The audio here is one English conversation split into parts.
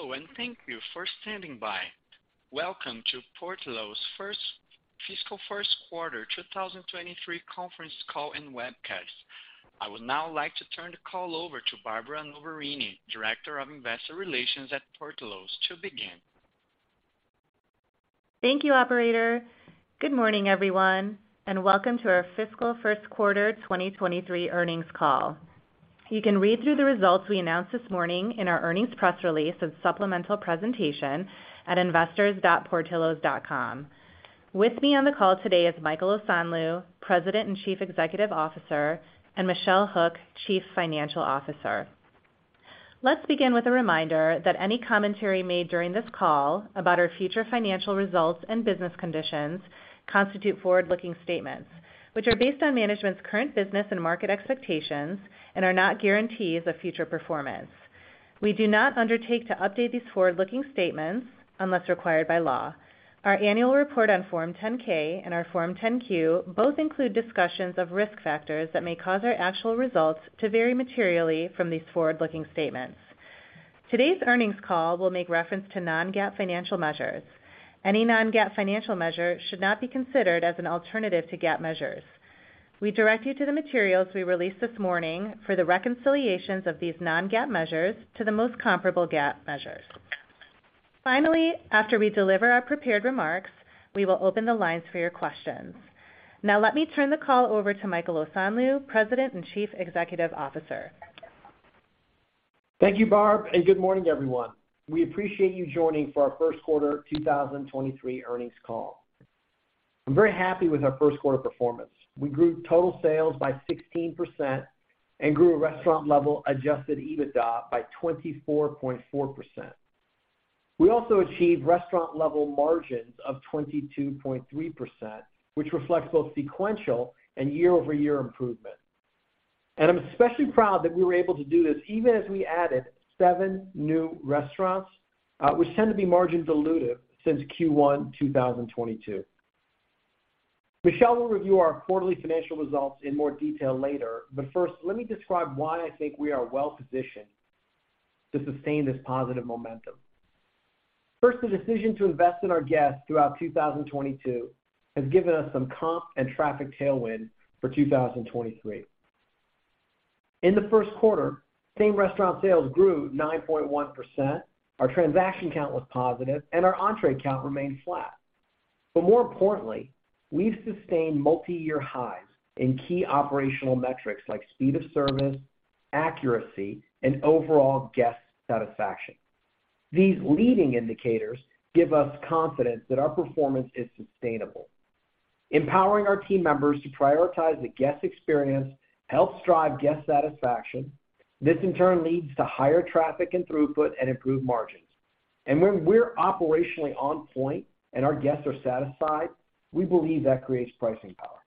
Hello, thank you for standing by. Welcome to Portillo's fiscal first quarter 2023 conference call and webcast. I would now like to turn the call over to Barbara Noverini, Director of Investor Relations at Portillo's, to begin. Thank you, operator. Good morning, everyone, welcome to our fiscal first quarter 2023 earnings call. You can read through the results we announced this morning in our earnings press release and supplemental presentation at investors.portillos.com. With me on the call today is Michael Osanloo, President and Chief Executive Officer, and Michelle Hook, Chief Financial Officer. Let's begin with a reminder that any commentary made during this call about our future financial results and business conditions constitute forward-looking statements, which are based on management's current business and market expectations and are not guarantees of future performance. We do not undertake to update these forward-looking statements unless required by law. Our annual report on Form 10-K and our Form 10-Q both include discussions of risk factors that may cause our actual results to vary materially from these forward-looking statements. Today's earnings call will make reference to non-GAAP financial measures. Any non-GAAP financial measure should not be considered as an alternative to GAAP measures. We direct you to the materials we released this morning for the reconciliations of these non-GAAP measures to the most comparable GAAP measures. After we deliver our prepared remarks, we will open the lines for your questions. Let me turn the call over to Michael Osanloo, President and Chief Executive Officer. Thank you, Barb, and good morning, everyone. We appreciate you joining for our first quarter 2023 earnings call. I'm very happy with our first quarter performance. We grew total sales by 16% and grew Restaurant-Level Adjusted EBITDA by 24.4%. We also achieved restaurant level margins of 22.3%, which reflects both sequential and year-over-year improvement. I'm especially proud that we were able to do this even as we added 7 new restaurants, which tend to be margin dilutive since Q1 2022. Michelle will review our quarterly financial results in more detail later, but first, let me describe why I think we are well positioned to sustain this positive momentum. First, the decision to invest in our guests throughout 2022 has given us some comp and traffic tailwind for 2023. In the first quarter, same-restaurant sales grew 9.1%, our transaction count was positive, and our entree count remained flat. More importantly, we've sustained multiyear highs in key operational metrics like speed of service, accuracy, and overall guest satisfaction. These leading indicators give us confidence that our performance is sustainable. Empowering our team members to prioritize the guest experience helps drive guest satisfaction. This in turn leads to higher traffic and throughput and improved margins. When we're operationally on point and our guests are satisfied, we believe that creates pricing power.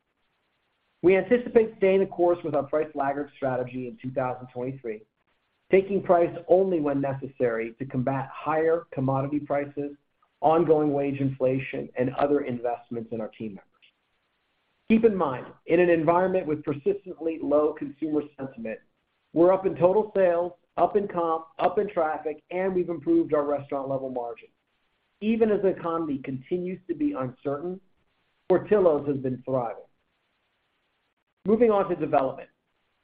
We anticipate staying the course with our price lagger strategy in 2023, taking price only when necessary to combat higher commodity prices, ongoing wage inflation, and other investments in our team members. Keep in mind, in an environment with persistently low consumer sentiment, we're up in total sales, up in comp, up in traffic, and we've improved our restaurant level margins. Even as the economy continues to be uncertain, Portillo's has been thriving. Moving on to development.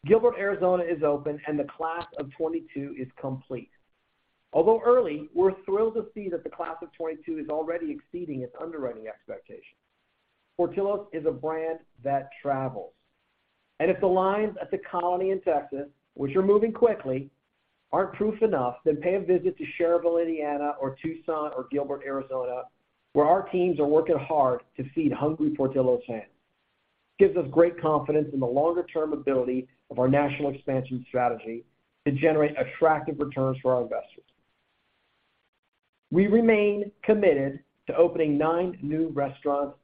Gilbert, Arizona is open. The class of 22 is complete. Although early, we're thrilled to see that the class of 22 is already exceeding its underwriting expectations. Portillo's is a brand that travels. If the lines at The Colony in Texas, which are moving quickly, aren't proof enough, then pay a visit to Schererville, Indiana or Tucson or Gilbert, Arizona, where our teams are working hard to feed hungry Portillo's fans. Gives us great confidence in the longer term ability of our national expansion strategy to generate attractive returns for our investors. We remain committed to opening 9 new restaurants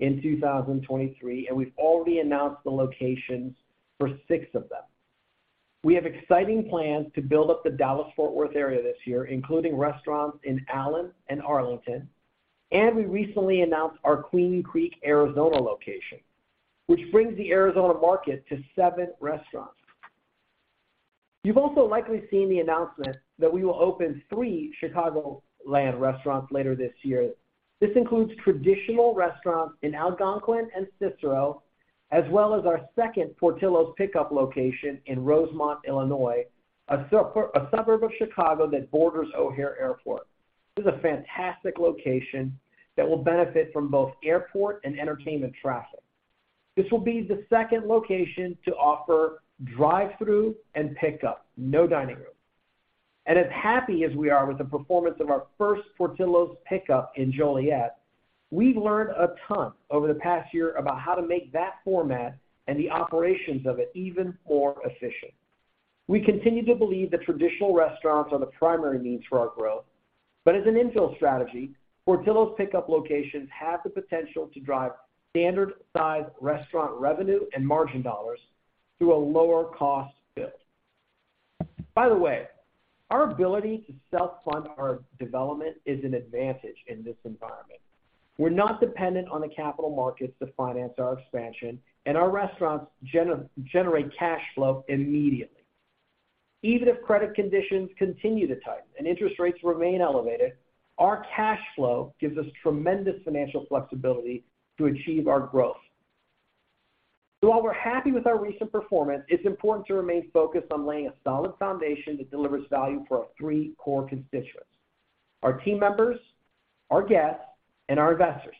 in 2023, and we've already announced the locations for 6 of them. We have exciting plans to build up the Dallas-Fort Worth area this year, including restaurants in Allen and Arlington. We recently announced our Queen Creek, Arizona location, which brings the Arizona market to 7 restaurants. You've also likely seen the announcement that we will open 3 Chicagoland restaurants later this year. This includes traditional restaurants in Algonquin and Cicero, as well as our second Portillo's Pick Up location in Rosemont, Illinois, a suburb of Chicago that borders O'Hare Airport. This is a fantastic location that will benefit from both airport and entertainment traffic. This will be the second location to offer drive-through and pickup, no dining room. As happy as we are with the performance of our first Portillo's Pick Up in Joliet, we've learned a ton over the past year about how to make that format and the operations of it even more efficient. We continue to believe that traditional restaurants are the primary means for our growth, but as an infill strategy, Portillo's Pick Up locations have the potential to drive standard size restaurant revenue and margin dollars through a lower cost build. By the way, our ability to self-fund our development is an advantage in this environment. We're not dependent on the capital markets to finance our expansion, and our restaurants generate cash flow immediately. Even if credit conditions continue to tighten and interest rates remain elevated, our cash flow gives us tremendous financial flexibility to achieve our growth. While we're happy with our recent performance, it's important to remain focused on laying a solid foundation that delivers value for our three core constituents: our team members, our guests, and our investors.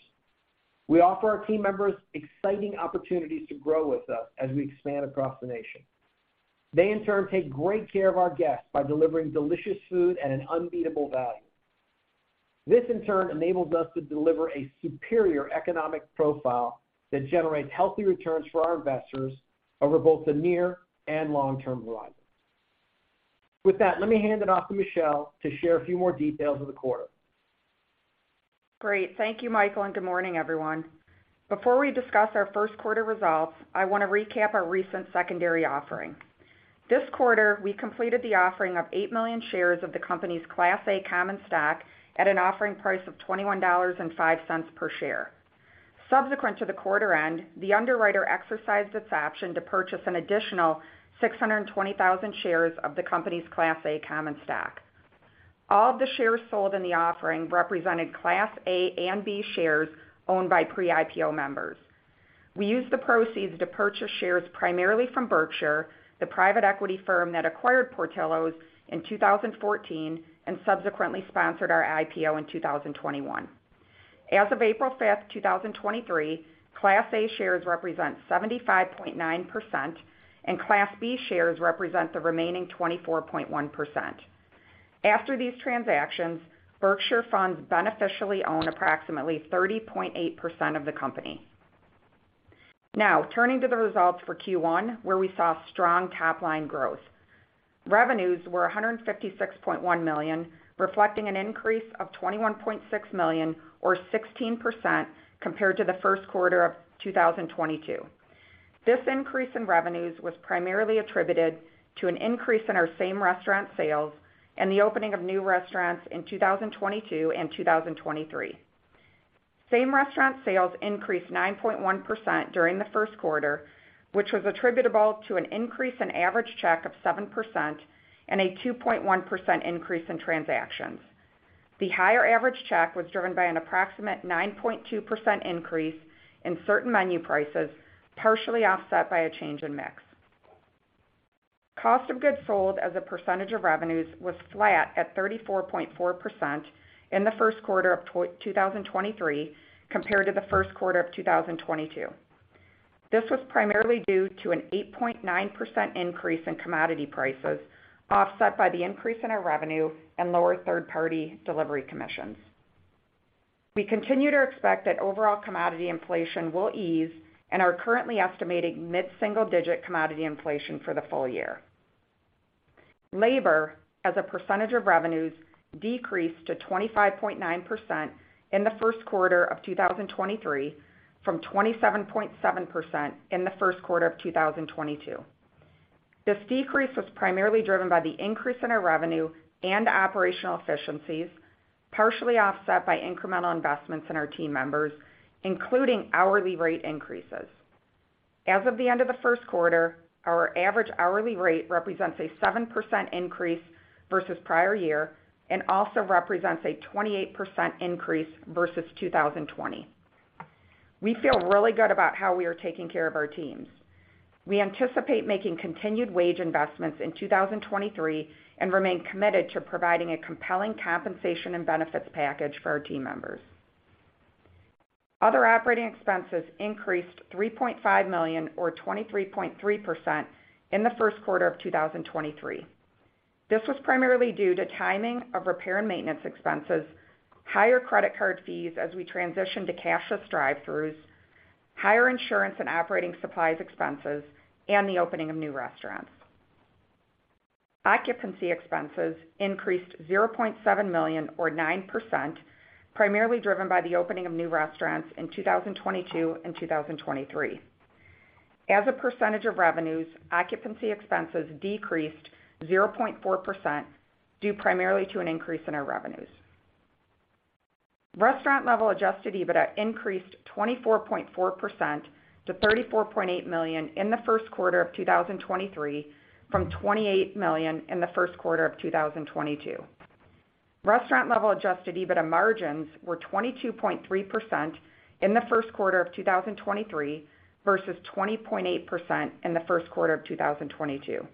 We offer our team members exciting opportunities to grow with us as we expand across the nation. They, in turn, take great care of our guests by delivering delicious food at an unbeatable value. This, in turn, enables us to deliver a superior economic profile that generates healthy returns for our investors over both the near and long-term horizon. With that, let me hand it off to Michelle to share a few more details of the quarter. Great. Thank you, Michael, and good morning, everyone. Before we discuss our first quarter results, I wanna recap our recent secondary offering. This quarter, we completed the offering of 8 million shares of the company's Class A common stock at an offering price of $21.05 per share. Subsequent to the quarter end, the underwriter exercised its option to purchase an additional 620,000 shares of the company's Class A common stock. All of the shares sold in the offering represented Class A and B shares owned by pre-IPO members. We used the proceeds to purchase shares primarily from Berkshire, the private equity firm that acquired Portillo's in 2014 and subsequently sponsored our IPO in 2021. As of April 5th, 2023, Class A shares represent 75.9%, and Class B shares represent the remaining 24.1%. After these transactions, Berkshire Partners beneficially own approximately 30.8% of the company. Turning to the results for Q1, where we saw strong top line growth. Revenues were $156.1 million, reflecting an increase of $21.6 million or 16% compared to the first quarter of 2022. This increase in revenues was primarily attributed to an increase in our same-restaurant sales and the opening of new restaurants in 2022 and 2023. Same-restaurant sales increased 9.1% during the first quarter, which was attributable to an increase in average check of 7% and a 2.1% increase in transactions. The higher average check was driven by an approximate 9.2% increase in certain menu prices, partially offset by a change in mix. Cost of goods sold as a percentage of revenues was flat at 34.4% in the first quarter of 2023 compared to the first quarter of 2022. This was primarily due to an 8.9% increase in commodity prices, offset by the increase in our revenue and lower third-party delivery commissions. We continue to expect that overall commodity inflation will ease and are currently estimating mid-single-digit commodity inflation for the full year. Labor, as a percentage of revenues, decreased to 25.9% in the first quarter of 2023 from 27.7% in the first quarter of 2022. This decrease was primarily driven by the increase in our revenue and operational efficiencies, partially offset by incremental investments in our team members, including hourly rate increases. As of the end of the first quarter, our average hourly rate represents a 7% increase versus prior year and also represents a 28% increase versus 2020. We feel really good about how we are taking care of our teams. We anticipate making continued wage investments in 2023 and remain committed to providing a compelling compensation and benefits package for our team members. Other operating expenses increased $3.5 million or 23.3% in the first quarter of 2023. This was primarily due to timing of repair and maintenance expenses, higher credit card fees as we transition to cashless drive-throughs, higher insurance and operating supplies expenses, and the opening of new restaurants. Occupancy expenses increased $0.7 million or 9%, primarily driven by the opening of new restaurants in 2022 and 2023. As a percentage of revenues, occupancy expenses decreased 0.4% due primarily to an increase in our revenues. Restaurant-Level Adjusted EBITDA increased 24.4% to $34.8 million in the first quarter of 2023, from $28 million in the first quarter of 2022. Restaurant-Level Adjusted EBITDA margins were 22.3% in the first quarter of 2023 versus 20.8% in the first quarter of 2022.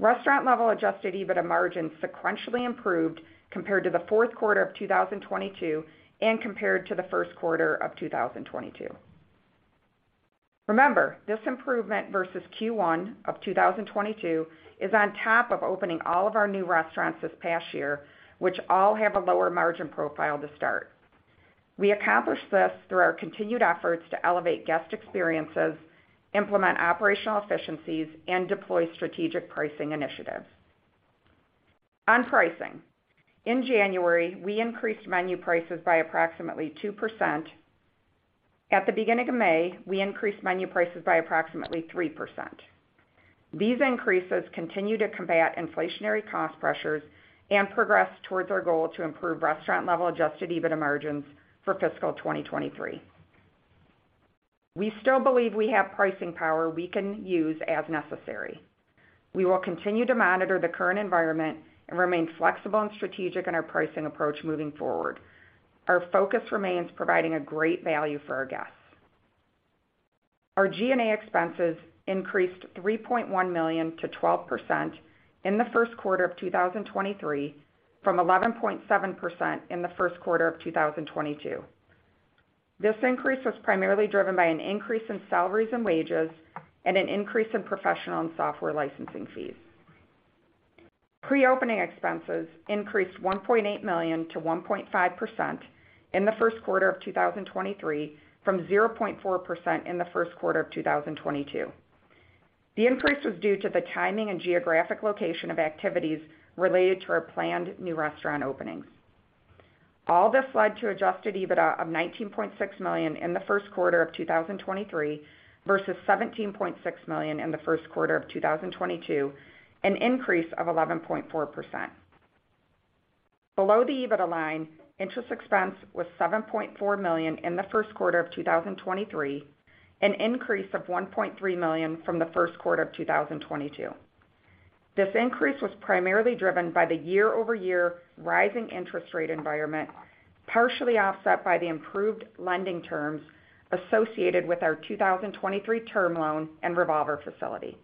Restaurant-Level Adjusted EBITDA margins sequentially improved compared to the fourth quarter of 2022 and compared to the first quarter of 2022. This improvement versus Q1 of 2022 is on top of opening all of our new restaurants this past year, which all have a lower margin profile to start. We accomplished this through our continued efforts to elevate guest experiences, implement operational efficiencies, and deploy strategic pricing initiatives. On pricing. In January, we increased menu prices by approximately 2%. At the beginning of May, we increased menu prices by approximately 3%. These increases continue to combat inflationary cost pressures and progress towards our goal to improve Restaurant-Level Adjusted EBITDA margins for fiscal 2023. We still believe we have pricing power we can use as necessary. We will continue to monitor the current environment and remain flexible and strategic in our pricing approach moving forward. Our focus remains providing a great value for our guests. Our G&A expenses increased $3.1 million to 12% in the first quarter of 2023, from 11.7% in the first quarter of 2022. This increase was primarily driven by an increase in salaries and wages and an increase in professional and software licensing fees. Pre-opening expenses increased $1.8 million to 1.5% in the first quarter of 2023, from 0.4% in the first quarter of 2022. The increase was due to the timing and geographic location of activities related to our planned new restaurant openings. All this led to adjusted EBITDA of $19.6 million in the first quarter of 2023 versus $17.6 million in the first quarter of 2022, an increase of 11.4%. Below the EBITDA line, interest expense was $7.4 million in the first quarter of 2023, an increase of $1.3 million from the first quarter of 2022. This increase was primarily driven by the year-over-year rising interest rate environment, partially offset by the improved lending terms associated with our 2023 term loan and revolver facility.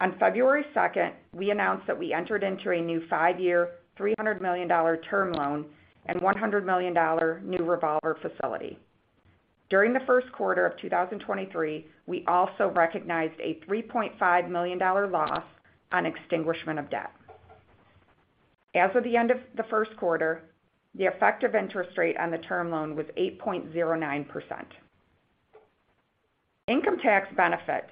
On February second, we announced that we entered into a new five-year, $300 million term loan and $100 million new revolver facility. During the first quarter of 2023, we also recognized a $3.5 million loss on extinguishment of debt. As of the end of the first quarter, the effective interest rate on the term loan was 8.09%. Income tax benefit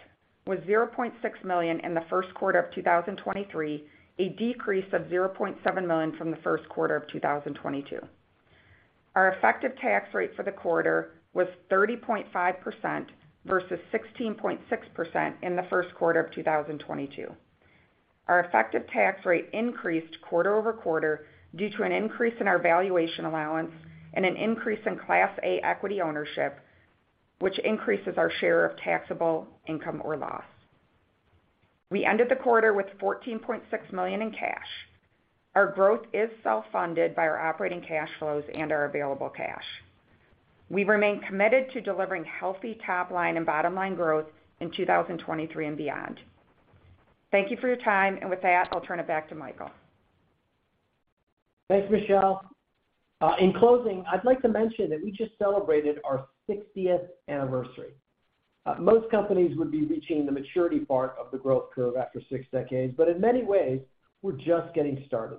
was $0.6 million in the first quarter of 2023, a decrease of $0.7 million from the first quarter of 2022. Our effective tax rate for the quarter was 30.5% versus 16.6% in the first quarter of 2022. Our effective tax rate increased quarter-over-quarter due to an increase in our valuation allowance and an increase in Class A equity ownership, which increases our share of taxable income or loss. We ended the quarter with $14.6 million in cash. Our growth is self-funded by our operating cash flows and our available cash. We remain committed to delivering healthy top line and bottom line growth in 2023 and beyond. Thank you for your time. With that, I'll turn it back to Michael. Thanks, Michelle. In closing, I'd like to mention that we just celebrated our 60th anniversary. Most companies would be reaching the maturity part of the growth curve after six decades, but in many ways, we're just getting started.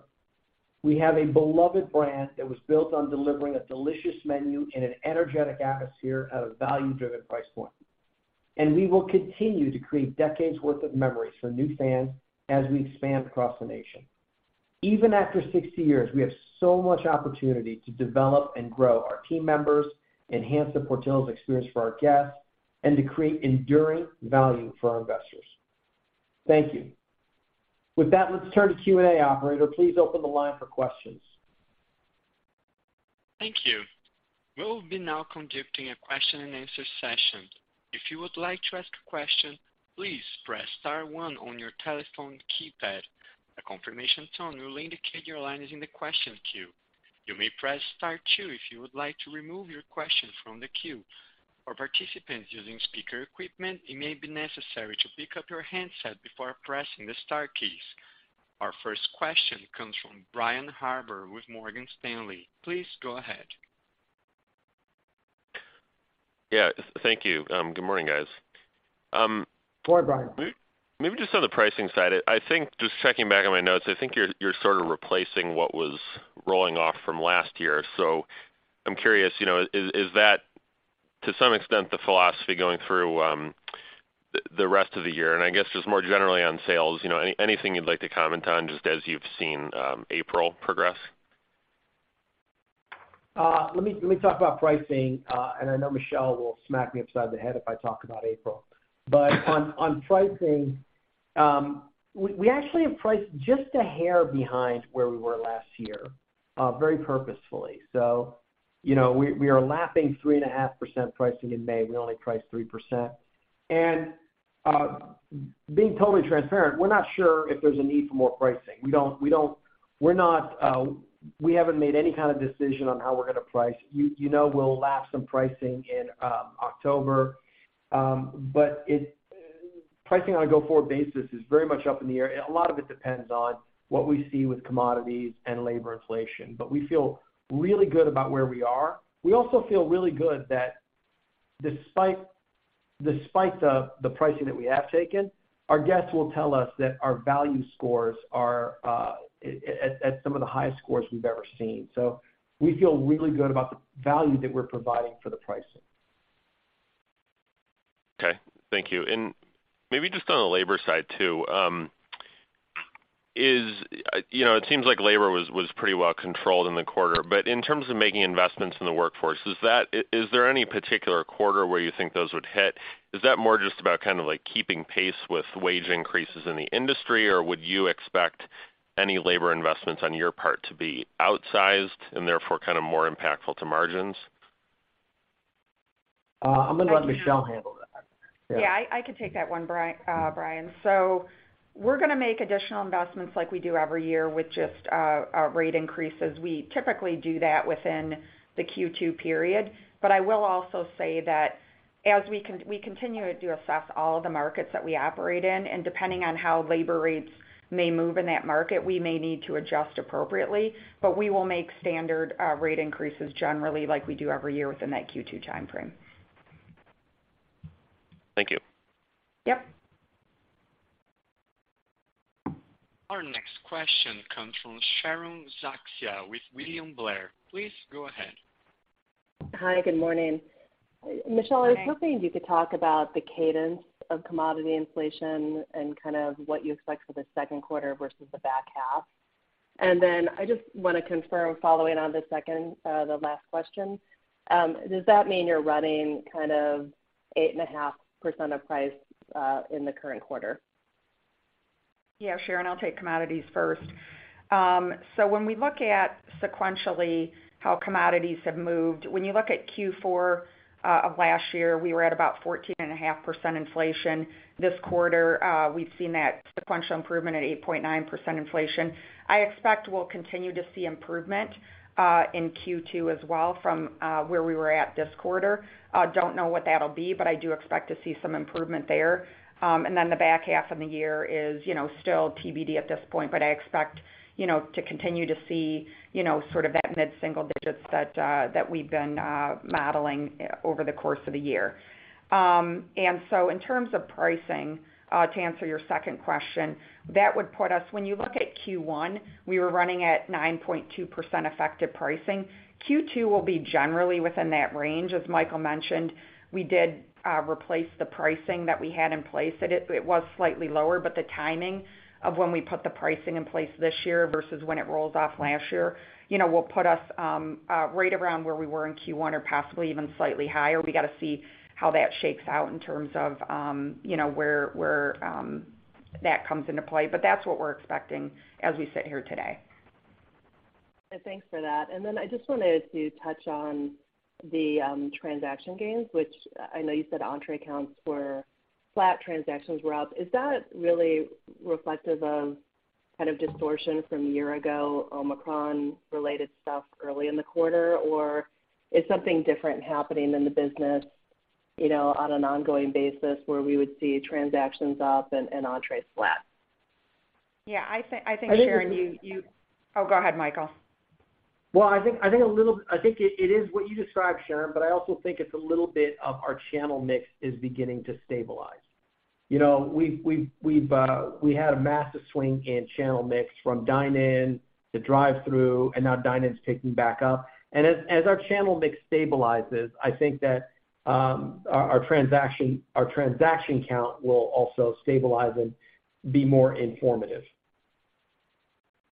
We have a beloved brand that was built on delivering a delicious menu in an energetic atmosphere at a value-driven price point. We will continue to create decades worth of memories for new fans as we expand across the nation. Even after 60 years, we have so much opportunity to develop and grow our team members, enhance the Portillo's experience for our guests, and to create enduring value for our investors. Thank you. With that, let's turn to Q&A. Operator, please open the line for questions. Thank you. We'll be now conducting a question and answer session. If you would like to ask a question, please press star one on your telephone keypad. A confirmation tone will indicate your line is in the question queue. You may press star two if you would like to remove your question from the queue. For participants using speaker equipment, it may be necessary to pick up your handset before pressing the star keys. Our first question comes from Brian Harbour with Morgan Stanley. Please go ahead. Thank you. Good morning, guys. Go ahead, Brian. Maybe just on the pricing side, I think just checking back on my notes, I think you're sort of replacing what was rolling off from last year. I'm curious, you know, is that to some extent the philosophy going through the rest of the year? I guess just more generally on sales, you know, anything you'd like to comment on just as you've seen April progress? Let me talk about pricing, and I know Michelle Hook will smack me upside the head if I talk about April. On pricing, we actually have priced just a hair behind where we were last year, very purposefully. You know. we are lapping 3.5% pricing in May. We only priced 3%. Being totally transparent, we're not sure if there's a need for more pricing. We're not, we haven't made any kind of decision on how we're gonna price. You know, we'll lap some pricing in October. Pricing on a go-forward basis is very much up in the air. A lot of it depends on what we see with commodities and labor inflation. We feel really good about where we are. We also feel really good that despite the pricing that we have taken, our guests will tell us that our value scores are at some of the highest scores we've ever seen. We feel really good about the value that we're providing for the pricing. Thank you. Maybe just on the labor side too, you know, it seems like labor was pretty well controlled in the quarter. In terms of making investments in the workforce, is there any particular quarter where you think those would hit? Is that more just about kind of like keeping pace with wage increases in the industry? Would you expect any labor investments on your part to be outsized and therefore kind of more impactful to margins? I'm gonna let Michelle handle that. Yeah, I can take that one, Brian. We're gonna make additional investments like we do every year with just our rate increases. We typically do that within the Q2 period. I will also say that as we continue to assess all the markets that we operate in, and depending on how labor rates may move in that market, we may need to adjust appropriately. We will make standard rate increases generally like we do every year within that Q2 timeframe. Thank you. Yep. Our next question comes from Sharon Zackfia with William Blair. Please go ahead. Hi. Good morning. Hi. Michelle, I was hoping you could talk about the cadence of commodity inflation and kind of what you expect for the second quarter versus the back half. I just wanna confirm following on the last question, does that mean you're running kind of 8.5% of price in the current quarter? Yeah, Sharon, I'll take commodities first. When we look at sequentially how commodities have moved, when you look at Q4 of last year, we were at about 14.5% inflation. This quarter, we've seen that sequential improvement at 8.9% inflation. I expect we'll continue to see improvement in Q2 as well from where we were at this quarter. Don't know what that'll be, I do expect to see some improvement there. The back half of the year is, you know, still TBD at this point, I expect, you know, to continue to see, you know, sort of that mid-single digits that we've been modeling over the course of the year. In terms of pricing, to answer your second question, when you look at Q1, we were running at 9.2% effective pricing. Q2 will be generally within that range. As Michael mentioned, we did replace the pricing that we had in place. It was slightly lower, but the timing of when we put the pricing in place this year versus when it rolls off last year, you know, will put us right around where we were in Q1 or possibly even slightly higher. We gotta see how that shakes out in terms of, you know, where that comes into play. That's what we're expecting as we sit here today. Thanks for that. I just wanted to touch on the transaction gains, which I know you said entree counts were flat, transactions were up. Is that really reflective of kind of distortion from a year ago, Omicron related stuff early in the quarter? Or is something different happening in the business, you know, on an ongoing basis where we would see transactions up and entrees flat? Yeah. I think, Sharon, you... Oh, go ahead, Michael. Well, I think it is what you described, Sharon, but I also think it's a little bit of our channel mix is beginning to stabilize. You know, we had a massive swing in channel mix from dine-in to drive-thru, and now dine-in is ticking back up. As our channel mix stabilizes, I think that our transaction count will also stabilize and be more informative.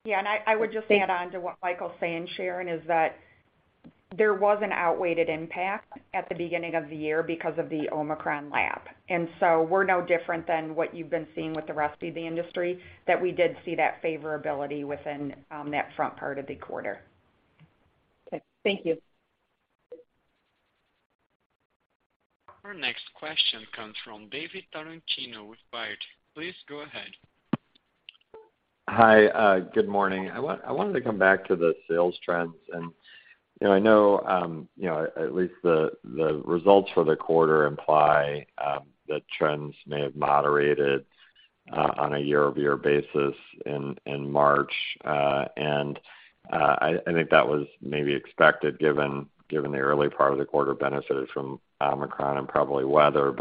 Yeah. I would just add on to what Michael's saying, Sharon, is that there was an outweighted impact at the beginning of the year because of the Omicron lap. We're no different than what you've been seeing with the rest of the industry, that we did see that favorability within that front part of the quarter. Okay. Thank you. Our next question comes from David Tarantino with Baird. Please go ahead. Hi. Good morning. I wanted to come back to the sales trends. You know, I know, you know, at least the results for the quarter imply that trends may have moderated on a year-over-year basis in March. I think that was maybe expected given the early part of the quarter benefited from Omicron and probably weather.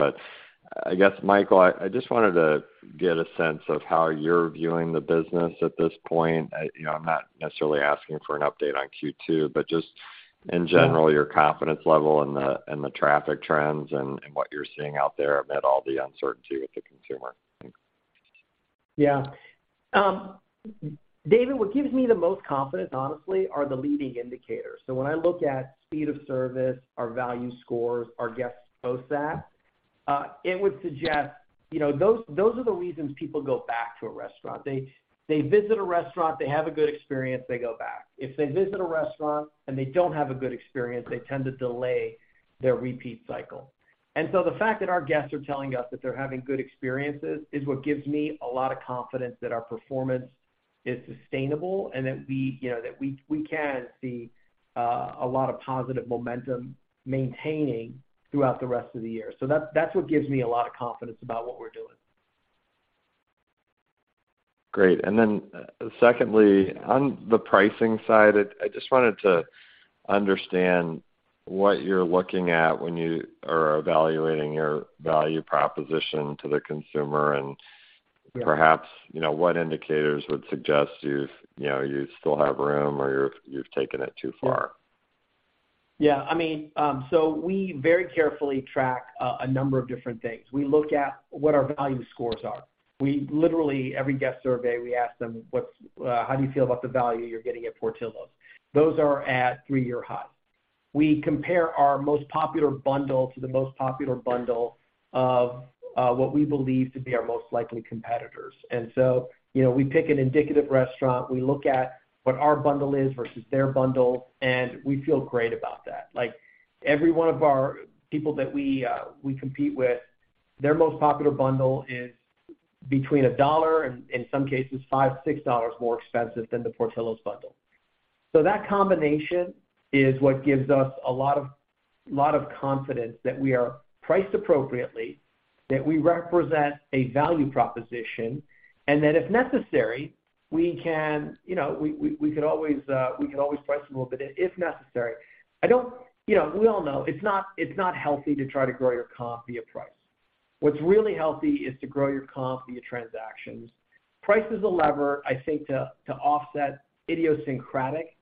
I guess, Michael, I just wanted to get a sense of how you're viewing the business at this point. You know, I'm not necessarily asking for an update on Q2, but just in general, your confidence level in the traffic trends and what you're seeing out there amid all the uncertainty with the consumer. David, what gives me the most confidence, honestly, are the leading indicators. When I look at speed of service, our value scores, our guests post that, it would suggest, you know, those are the reasons people go back to a restaurant. They visit a restaurant, they have a good experience, they go back. If they visit a restaurant and they don't have a good experience, they tend to delay their repeat cycle. The fact that our guests are telling us that they're having good experiences is what gives me a lot of confidence that our performance is sustainable and that we, you know, that we can see a lot of positive momentum maintaining throughout the rest of the year. That's what gives me a lot of confidence about what we're doing. Great. Then secondly, on the pricing side, I just wanted to understand what you're looking at when you are evaluating your value proposition to the consumer and perhaps, you know, what indicators would suggest you've, you know, you still have room or you're, you've taken it too far? I mean, we very carefully track a number of different things. We look at what our value scores are. We literally, every guest survey, we ask them what's how do you feel about the value you're getting at Portillo's? Those are at three-year high. We compare our most popular bundle to the most popular bundle of what we believe to be our most likely competitors. You know, we pick an indicative restaurant. We look at what our bundle is versus their bundle, and we feel great about that. Like, every one of our people that we compete with, their most popular bundle is between $1 and in some cases, $5, $6 more expensive than the Portillo's bundle. That combination is what gives us a lot of confidence that we are priced appropriately, that we represent a value proposition, and that if necessary, we can, you know, we could always price a little bit if necessary. I don't. You know, we all know it's not, it's not healthy to try to grow your comp via price. What's really healthy is to grow your comp via transactions. Price is a lever, I think, to offset idiosyncratic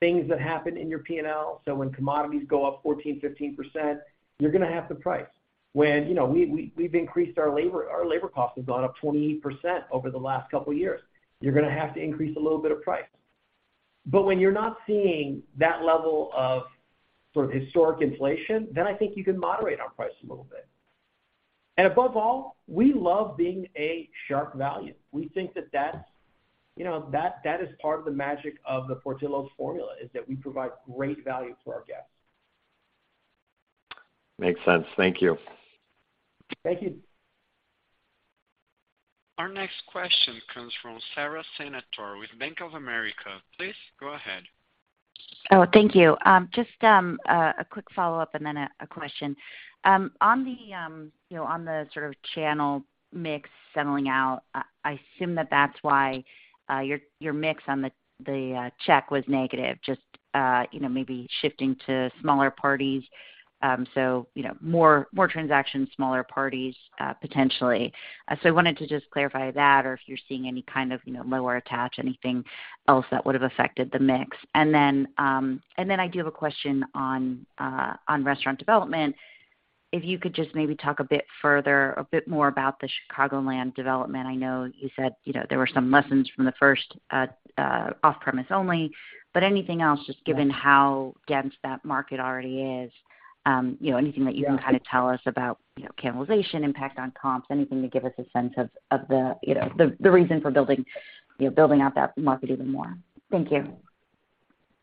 things that happen in your P&L. When commodities go up 14%, 15%, you're gonna have to price. When, you know, we've increased our labor, our labor cost has gone up 28% over the last couple years. You're gonna have to increase a little bit of price. When you're not seeing that level of sort of historic inflation, then I think you can moderate our price a little bit. Above all, we love being a sharp value. We think that's, you know, that is part of the magic of the Portillo's formula, is that we provide great value to our guests. Makes sense. Thank you. Thank you. Our next question comes from Sara Senatore with Bank of America. Please go ahead. Oh, thank you. Just a quick follow-up and then a question. On the, you know, on the sort of channel mix settling out, I assume that that's why your mix on the check was negative, just, you know, maybe shifting to smaller parties. You know, more, more transactions, smaller parties, potentially. I wanted to just clarify that or if you're seeing any kind of, you know, lower attach, anything else that would have affected the mix. I do have a question on restaurant development. If you could just maybe talk a bit further, a bit more about the Chicagoland development. I know you said, you know, there were some lessons from the first off-premise only, but anything else, just given how dense that market already is, you know, anything that you can kind of tell us about, you know, cannibalization impact on comps, anything to give us a sense of the, you know, the reason for building out that market even more. Thank you.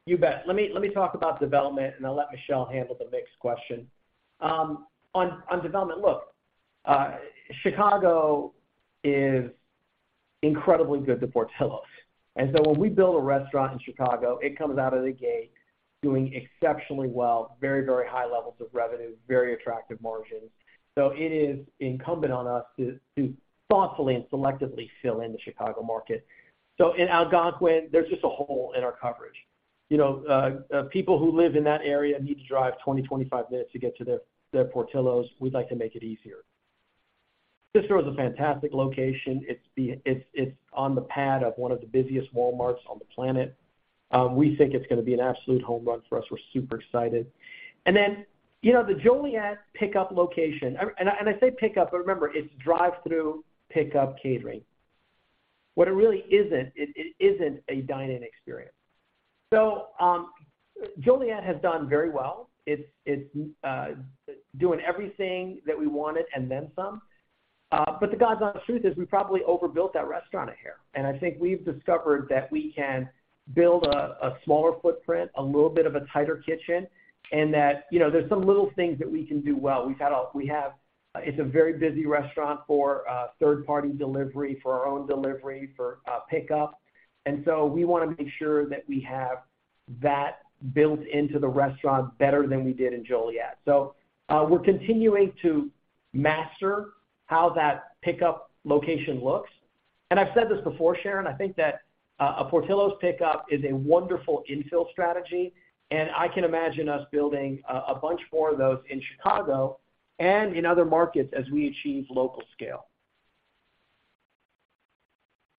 You bet. Let me talk about development, and I'll let Michelle handle the mix question. On development, look, Chicago is incredibly good to Portillo's. When we build a restaurant in Chicago, it comes out of the gate doing exceptionally well, very high levels of revenue, very attractive margins. It is incumbent on us to thoughtfully and selectively fill in the Chicago market. In Algonquin, there's just a hole in our coverage. You know, people who live in that area need to drive 20, 25 minutes to get to their Portillo's. We'd like to make it easier. This store is a fantastic location. It's on the pad of one of the busiest Walmarts on the planet. We think it's gonna be an absolute home run for us. We're super excited. You know, the Joliet pickup location. I say pickup, but remember it's drive-through pickup catering. What it really isn't, it isn't a dine-in experience. Joliet has done very well. It's doing everything that we wanted and then some. The God's honest truth is we probably overbuilt that restaurant at here. I think we've discovered that we can build a smaller footprint, a little bit of a tighter kitchen, and that, you know, there's some little things that we can do well. It's a very busy restaurant for third party delivery, for our own delivery, for pickup. We wanna make sure that we have that built into the restaurant better than we did in Joliet. We're continuing to master how that pickup location looks. I've said this before, Sharon, I think that a Portillo's pickup is a wonderful infill strategy, and I can imagine us building a bunch more of those in Chicago and in other markets as we achieve local scale.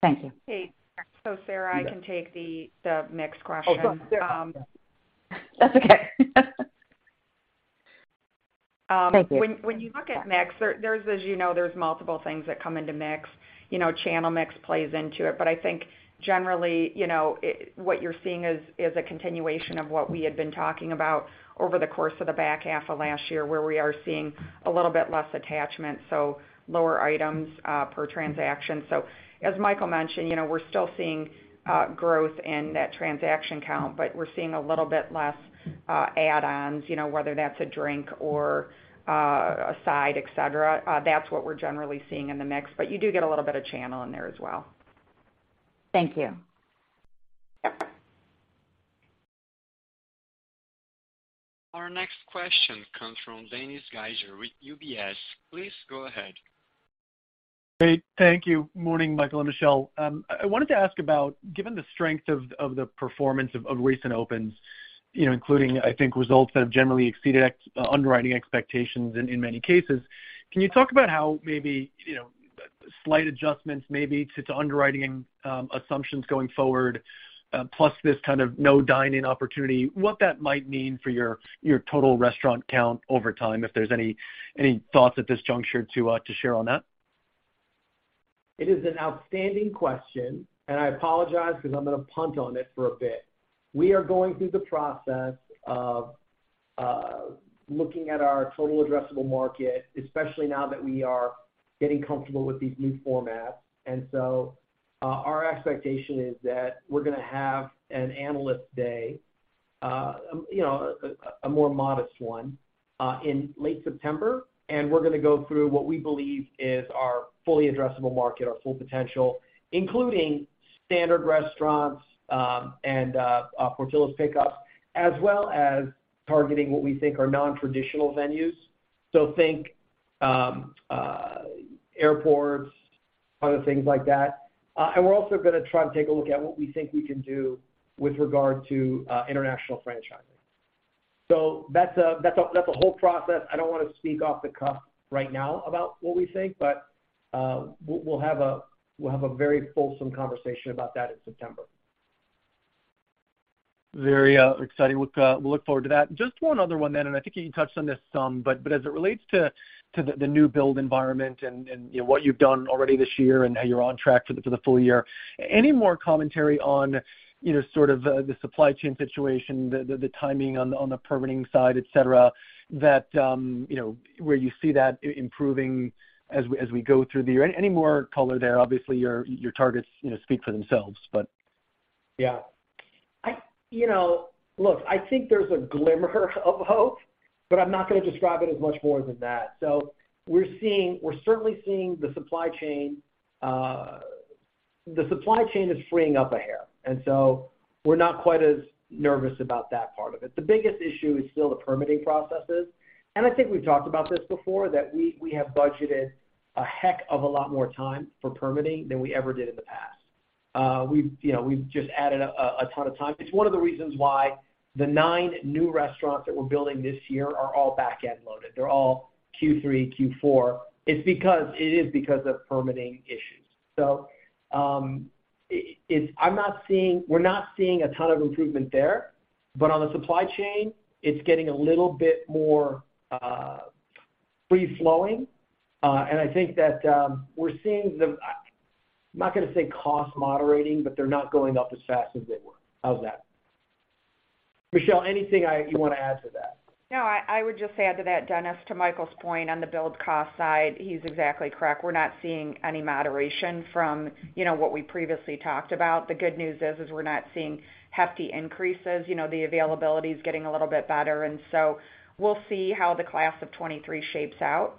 Thank you. Hey. Sara, I can take the mix question. Oh, go ahead. Um. That's okay. Thank you. When you look at mix, there's the, you know, multiple things that come into mix. You know, channel mix plays into it. I think generally, you know, what you're seeing is a continuation of what we had been talking about over the course of the back half of last year, where we are seeing a little bit less attachment, so lower items per transaction. As Michael mentioned, you know, we're still seeing growth in that transaction count, but we're seeing a little bit less add-ons, you know, whether that's a drink or a side, et cetera. That's what we're generally seeing in the mix. You do get a little bit of channel in there as well. Thank you. Yeah. Our next question comes from Dennis Geiger with UBS. Please go ahead. Great. Thank you. Morning, Michael and Michelle. I wanted to ask about, given the strength of the performance of recent opens, you know, including, I think, results that have generally exceeded underwriting expectations in many cases, can you talk about how maybe, you know, slight adjustments maybe to underwriting, assumptions going forward, plus this kind of no dining opportunity, what that might mean for your total restaurant count over time, if there's any thoughts at this juncture to share on that. It is an outstanding question, and I apologize because I'm going to punt on it for a bit. We are going through the process of looking at our total addressable market, especially now that we are getting comfortable with these new formats. Our expectation is that we're gonna have an analyst day, you know, a more modest one in late September. We're gonna go through what we believe is our fully addressable market, our full potential, including standard restaurants, and Portillo's Pickups, as well as targeting what we think are non-traditional venues. Think airports, other things like that. We're also gonna try and take a look at what we think we can do with regard to international franchising. That's a whole process. I don't want to speak off the cuff right now about what we think, but we'll have a very fulsome conversation about that in September. Very exciting. Look, we'll look forward to that. Just one other one then, and I think you touched on this some, but as it relates to the new build environment and, you know, what you've done already this year and how you're on track for the full year. Any more commentary on, you know, sort of the supply chain situation, the timing on the permitting side, et cetera, that, you know, where you see that improving as we go through the year? Any more color there? Obviously, your targets, you know, speak for themselves, but. Yeah. You know, look, I think there's a glimmer of hope, but I'm not gonna describe it as much more than that. We're certainly seeing the supply chain. The supply chain is freeing up a hair, we're not quite as nervous about that part of it. The biggest issue is still the permitting processes. I think we've talked about this before, that we have budgeted a heck of a lot more time for permitting than we ever did in the past. We've, you know, we've just added a ton of time. It's one of the reasons why the nine new restaurants that we're building this year are all back-end loaded. They're all Q3, Q4. It is because of permitting issues. I'm not seeing, we're not seeing a ton of improvement there, but on the supply chain, it's getting a little bit more free flowing. I think that we're seeing the I'm not gonna say cost moderating, but they're not going up as fast as they were. How's that? Michelle, anything you wanna add to that? I would just add to that, Dennis, to Michael's point on the build cost side, he's exactly correct. We're not seeing any moderation from, you know, what we previously talked about. The good news is we're not seeing hefty increases. You know, the availability is getting a little bit better, we'll see how the class of 23 shapes out.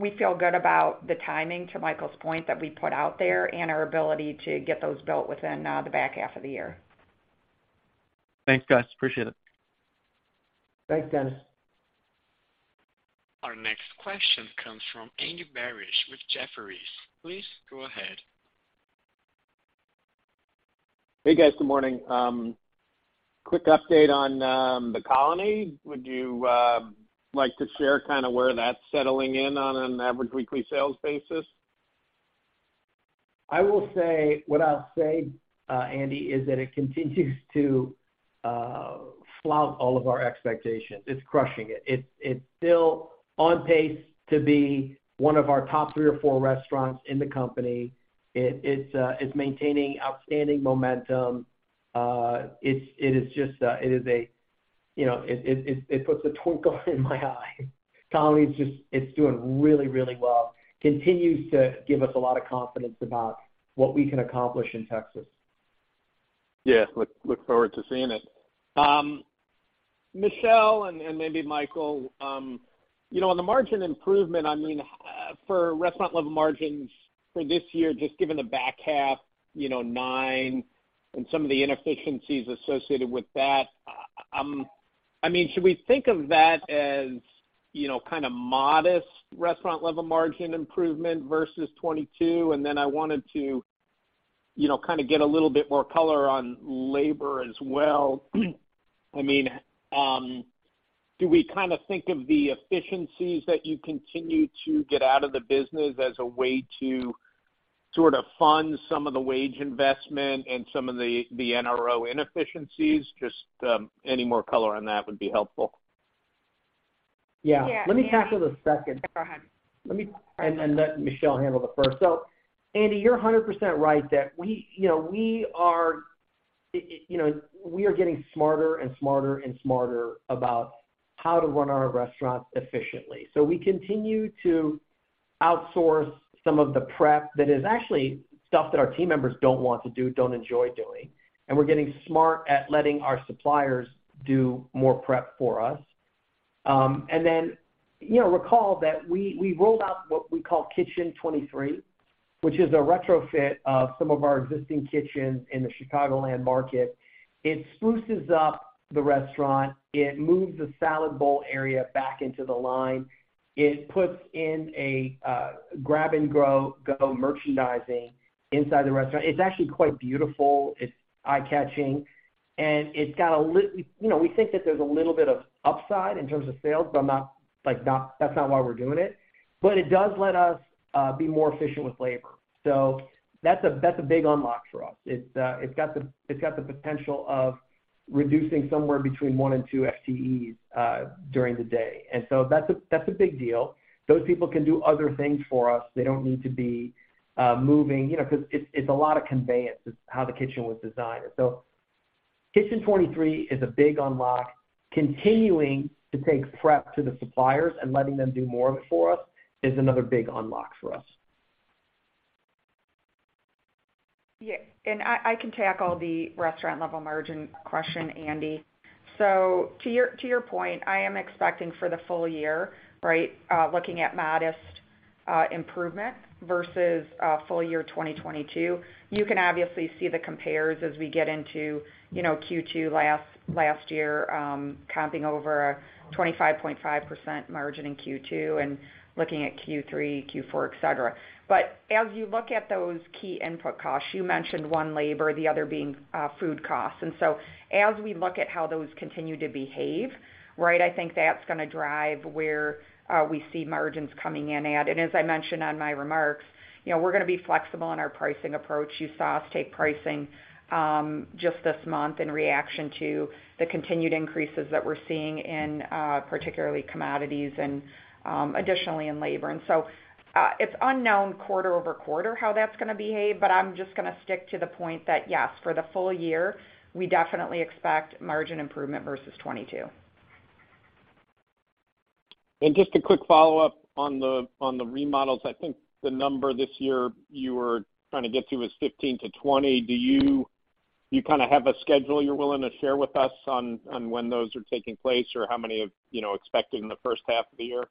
We feel good about the timing, to Michael's point, that we put out there and our ability to get those built within the back half of the year. Thanks, guys. Appreciate it. Thanks, Dennis. Our next question comes from Andy Barish with Jefferies. Please go ahead. Hey, guys. Good morning. Quick update on The Colony. Would you like to share kind of where that's settling in on an average weekly sales basis? I will say, what I'll say, Andy, is that it continues to flout all of our expectations. It's crushing it. It's still on pace to be one of our top three or four restaurants in the company. It's maintaining outstanding momentum. It is just, it is a, you know, it puts a twinkle in my eye. Colony is just, it's doing really, really well. Continues to give us a lot of confidence about what we can accomplish in Texas. Yeah. Look forward to seeing it. Michelle and maybe Michael, on the margin improvement, for restaurant level margins for this year, just given the back half, 9 and some of the inefficiencies associated with that, should we think of that as kind of modest restaurant level margin improvement versus 22? Then I wanted to kind of get a little bit more color on labor as well. Do we kind of think of the efficiencies that you continue to get out of the business as a way to sort of fund some of the wage investment and some of the NRO inefficiencies? Just any more color on that would be helpful. Yeah. Yeah, Andy, Let me tackle the second. Go ahead. Let me and let Michelle handle the first. Andy, you're 100% right that we, you know, we are, you know, we are getting smarter and smarter and smarter about how to run our restaurants efficiently. We continue to outsource some of the prep that is actually stuff that our team members don't want to do, don't enjoy doing, and we're getting smart at letting our suppliers do more prep for us. You know, recall that we rolled out what we call Kitchen 23, which is a retrofit of some of our existing kitchens in the Chicagoland market. It spruces up the restaurant. It moves the salad bowl area back into the line. It puts in a grab and go merchandising inside the restaurant. It's actually quite beautiful. It's eye-catching, and it's got You know, we think that there's a little bit of upside in terms of sales, but like, not, that's not why we're doing it. It does let us be more efficient with labor. That's a big unlock for us. It's got the potential of reducing somewhere between 1 and 2 FTEs during the day. That's a big deal. Those people can do other things for us. They don't need to be moving, you know, 'cause it's a lot of conveyance is how the kitchen was designed. Kitchen 23 is a big unlock. Continuing to take prep to the suppliers and letting them do more of it for us is another big unlock for us. Yeah. I can tackle the restaurant level margin question, Andy. To your, to your point, I am expecting for the full year, right, looking at modest improvement versus full year 2022. You can obviously see the compares as we get into Q2 last year, comping over a 25.5% margin in Q2 and looking at Q3, Q4, et cetera. As you look at those key input costs, you mentioned one labor, the other being food costs. As we look at how those continue to behave, right, I think that's gonna drive where we see margins coming in at. As I mentioned on my remarks, we're gonna be flexible in our pricing approach. You saw us take pricing, just this month in reaction to the continued increases that we're seeing in particularly commodities and additionally in labor. It's unknown quarter-over-quarter how that's gonna behave, but I'm just gonna stick to the point that, yes, for the full year, we definitely expect margin improvement versus 22. Just a quick follow-up on the, on the remodels. I think the number this year you were trying to get to was 15-20. Do you kinda have a schedule you're willing to share with us on when those are taking place or how many of, you know, expecting in the first half of the year?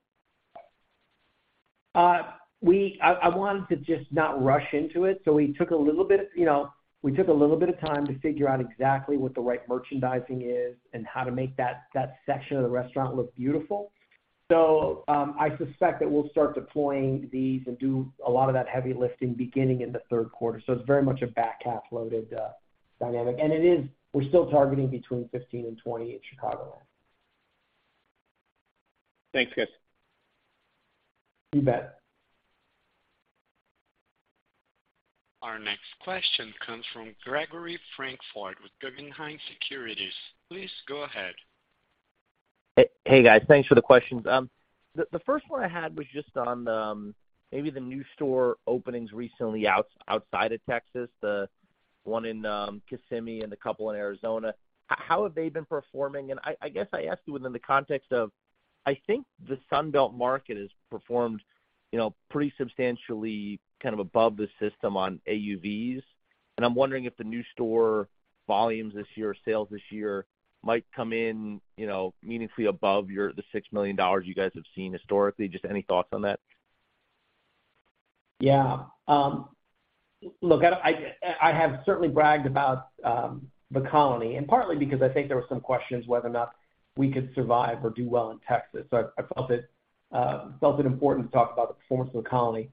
I wanted to just not rush into it, we took a little bit, you know, we took a little bit of time to figure out exactly what the right merchandising is and how to make that section of the restaurant look beautiful. I suspect that we'll start deploying these and do a lot of that heavy lifting beginning in the third quarter. It's very much a back half loaded, dynamic. It is, we're still targeting between 15 and 20 in Chicagoland. Thanks, guys. You bet. Our next question comes from Gregory Francfort with Guggenheim Securities. Please go ahead. Hey, guys. Thanks for the questions. The first one I had was just on maybe the new store openings recently outside of Texas, the one in Kissimmee and a couple in Arizona. How have they been performing? I guess I ask you within the context of, I think the Sun Belt market has performed, you know, pretty substantially kind of above the system on AUVs. I'm wondering if the new store volumes this year or sales this year might come in, you know, meaningfully above your, the $6 million you guys have seen historically. Just any thoughts on that? Yeah. Look, I have certainly bragged about The Colony, and partly because I think there were some questions whether or not we could survive or do well in Texas. I felt it important to talk about the performance of The Colony.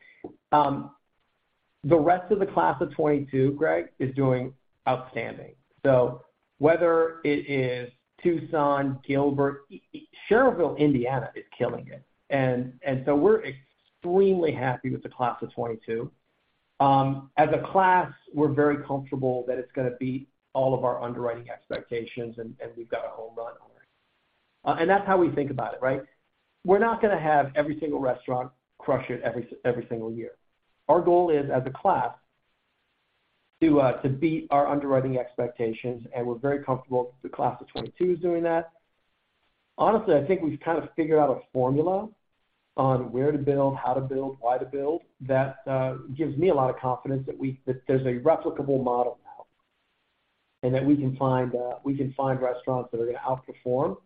The rest of the class of 22, Greg, is doing outstanding. Whether it is Tucson, Gilbert, Schererville, Indiana is killing it. We're extremely happy with the class of 22. As a class, we're very comfortable that it's gonna beat all of our underwriting expectations, and we've got a home run on our hands. That's how we think about it, right? We're not gonna have every single restaurant crush it every single year. Our goal is, as a class, to beat our underwriting expectations, and we're very comfortable the class of 22 is doing that. Honestly, I think we've kind of figured out a formula on where to build, how to build, why to build that gives me a lot of confidence that there's a replicable model now and that we can find restaurants that are gonna outperform.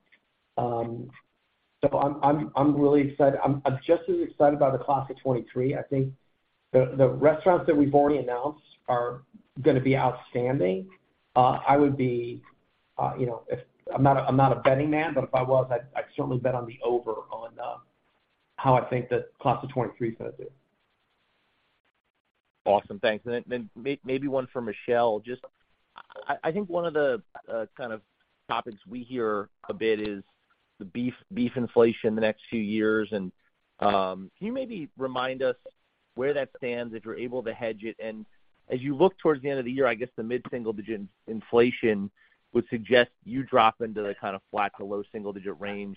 I'm really excited. I'm just as excited by the class of '23. I think the restaurants that we've already announced are gonna be outstanding. I would be, you know, if I'm not a betting man, but if I was, I'd certainly bet on the over on how I think the class of '23 is gonna do. Awesome. Thanks. Then maybe one for Michelle. Just I think one of the kind of topics we hear a bit is the beef inflation the next few years. Can you maybe remind us where that stands if you're able to hedge it? As you look towards the end of the year, I guess the mid-single digit inflation would suggest you drop into the kind of flat to low single digit range.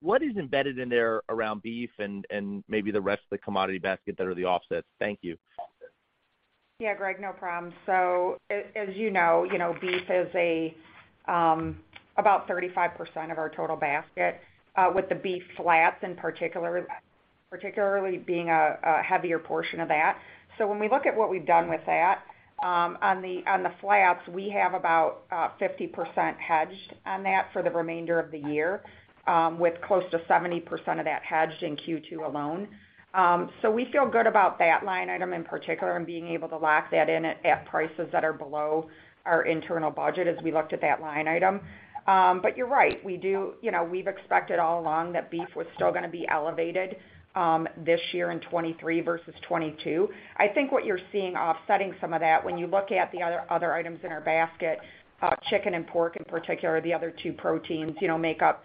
What is embedded in there around beef and maybe the rest of the commodity basket that are the offsets? Thank you. Greg, no problem. As you know, you know, beef is about 35% of our total basket, with the beef flats in particular being a heavier portion of that. When we look at what we've done with that, on the flats, we have about 50% hedged on that for the remainder of the year, with close to 70% of that hedged in Q2 alone. We feel good about that line item in particular and being able to lock that in at prices that are below our internal budget as we looked at that line item. You're right. We do. You know, we've expected all along that beef was still gonna be elevated, this year in 2023 versus 2022. I think what you're seeing offsetting some of that when you look at the other items in our basket, chicken and pork in particular, the other two proteins, you know, make up,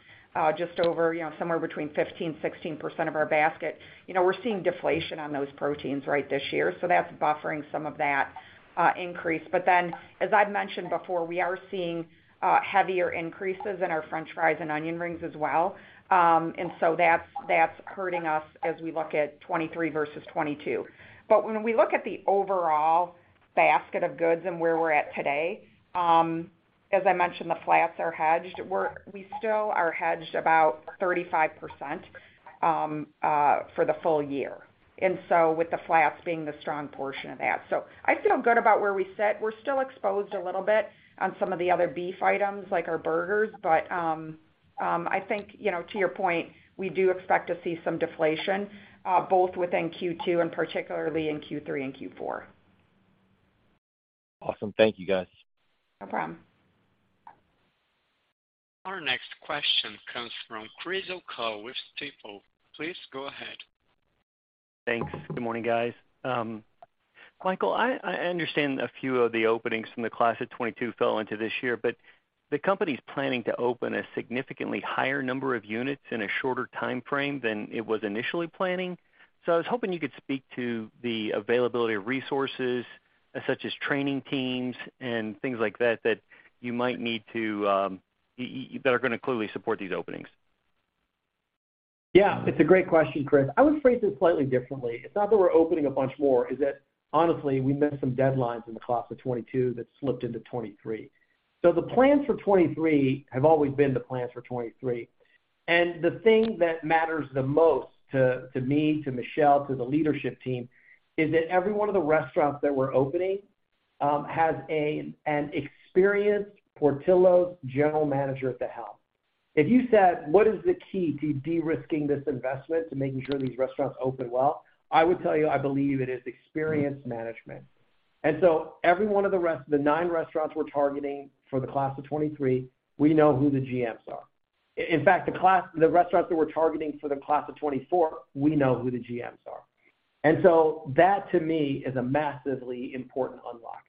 just over, you know, somewhere between 15%-16% of our basket. We're seeing deflation on those proteins right this year, so that's buffering some of that increase. As I've mentioned before, we are seeing heavier increases in our french fries and onion rings as well. That's hurting us as we look at 2023 versus 2022. When we look at the overall basket of goods and where we're at today, as I mentioned, the flats are hedged. We still are hedged about 35% for the full year. With the flats being the strong portion of that. I feel good about where we sit. We're still exposed a little bit on some of the other beef items like our burgers. I think, you know, to your point, we do expect to see some deflation, both within Q2 and particularly in Q3 and Q4. Awesome. Thank you, guys. No problem. Our next question comes from Chris O'Cull with Stifel. Please go ahead. Thanks. Good morning, guys. Michael, I understand a few of the openings from the class of '22 fell into this year, but the company's planning to open a significantly higher number of units in a shorter timeframe than it was initially planning. I was hoping you could speak to the availability of resources, such as training teams and things like that you might need to that are gonna clearly support these openings. Yeah. It's a great question, Chris. I would phrase it slightly differently. It's not that we're opening a bunch more, it's that honestly, we missed some deadlines in the class of 2022 that slipped into 2023. The plans for 2023 have always been the plans for 2023. The thing that matters the most to me, to Michelle, to the leadership team, is that every one of the restaurants that we're opening has an experienced Portillo's general manager at the helm. If you said, "What is the key to de-risking this investment, to making sure these restaurants open well?" I would tell you, I believe it is experienced management. Every one of the nine restaurants we're targeting for the class of 2023, we know who the GMs are. In fact, the restaurants that we're targeting for the class of 2024, we know who the GMs are. That to me is a massively important unlock.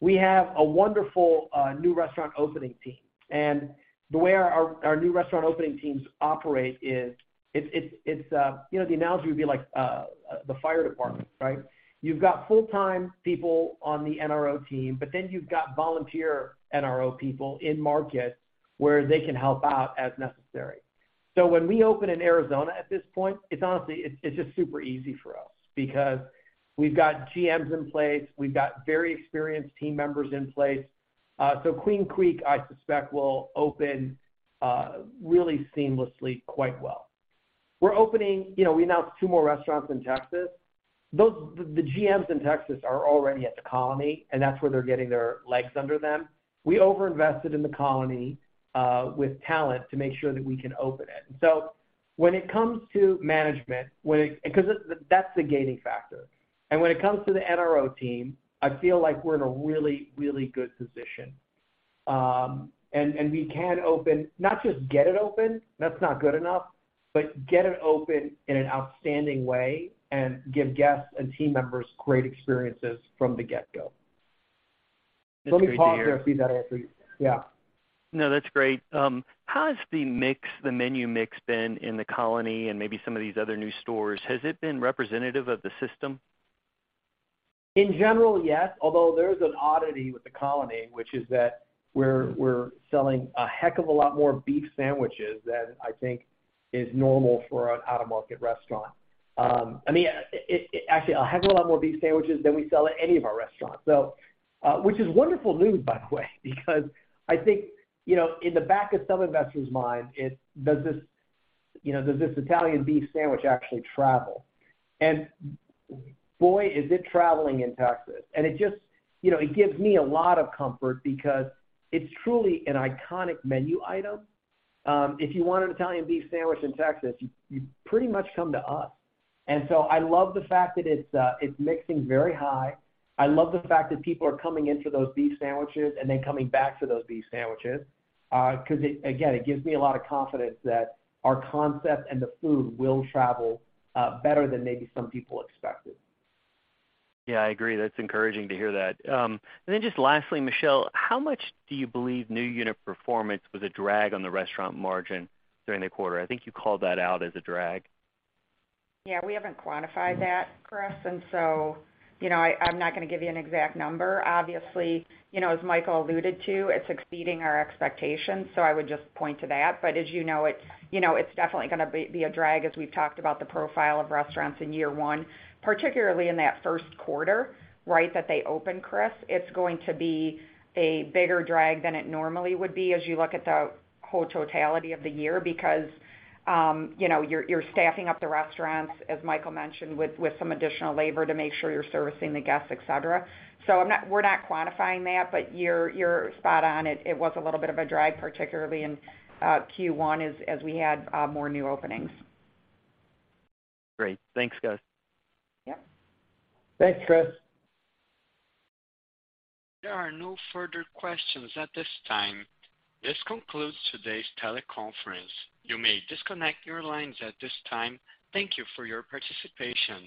We have a wonderful new restaurant opening team, and the way our new restaurant opening teams operate is it's, you know, the analogy would be like the fire department, right? You've got full-time people on the NRO team, then you've got volunteer NRO people in market where they can help out as necessary. When we open in Arizona at this point, it's honestly, it's just super easy for us because we've got GMs in place, we've got very experienced team members in place. Queen Creek, I suspect, will open really seamlessly quite well. We're opening. You know, we announced 2 more restaurants in Texas. The GMs in Texas are already at The Colony, and that's where they're getting their legs under them. We over-invested in The Colony, with talent to make sure that we can open it. When it comes to management, that's the gaining factor. When it comes to the NRO team, I feel like we're in a really, really good position. We can open, not just get it open, that's not good enough, but get it open in an outstanding way and give guests and team members great experiences from the get-go. That's great to hear. Let me pause there. See if that answers you. Yeah. No, that's great. How has the mix, the menu mix been in The Colony and maybe some of these other new stores? Has it been representative of the system? In general, yes. Although there is an oddity with The Colony, which is that we're selling a heck of a lot more beef sandwiches than I think is normal for an out-of-market restaurant. I mean, actually a heck of a lot more beef sandwiches than we sell at any of our restaurants. Which is wonderful news, by the way, because I think, you know, in the back of some investors' mind, does this, you know, does this Italian Beef Sandwich actually travel? Boy, is it traveling in Texas. It just... You know, it gives me a lot of comfort because it's truly an iconic menu item. If you want an Italian Beef Sandwich in Texas, you pretty much come to us. I love the fact that it's mixing very high. I love the fact that people are coming in for those beef sandwiches and then coming back for those beef sandwiches, 'cause it, again, it gives me a lot of confidence that our concept and the food will travel better than maybe some people expected. Yeah, I agree. That's encouraging to hear that. Just lastly, Michelle, how much do you believe new unit performance was a drag on the restaurant margin during the quarter? I think you called that out as a drag. Yeah, we haven't quantified that, Chris, you know, I'm not gonna give you an exact number. Obviously, you know, as Michael alluded to, it's exceeding our expectations, I would just point to that. As you know, it's, you know, it's definitely gonna be a drag as we've talked about the profile of restaurants in year one, particularly in that first quarter, right, that they open, Chris. It's going to be a bigger drag than it normally would be as you look at the whole totality of the year because, you know, you're staffing up the restaurants, as Michael mentioned, with some additional labor to make sure you're servicing the guests, et cetera. We're not quantifying that, you're spot on. It was a little bit of a drag, particularly in Q1 as we had more new openings. Great. Thanks, guys. Yep. Thanks, Chris. There are no further questions at this time. This concludes today's teleconference. You may disconnect your lines at this time. Thank you for your participation.